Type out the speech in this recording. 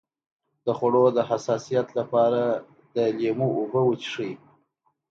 د خوړو د حساسیت لپاره د لیمو اوبه وڅښئ